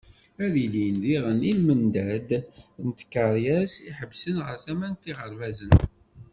Ad ilin diɣen i lmendad n tkeryas i iḥebbsen ɣer tama n yiɣerbazen.